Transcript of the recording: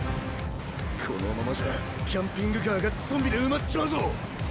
このままじゃキャンピングカーがゾンビで埋まっちまうぞ。